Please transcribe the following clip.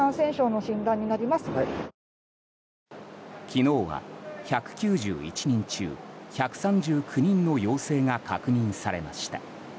昨日は１９１人中１３９人の陽性が確認されました。